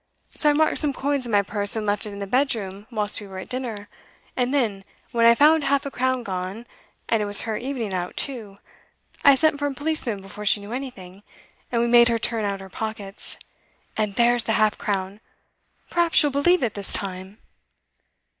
So I marked some coins in my purse, and left it in the bedroom whilst we were at dinner; and then, when I found half a crown gone and it was her evening out, too I sent for a policeman before she knew anything, and we made her turn out her pockets. And there's the half crown! Perhaps you'll believe it this time!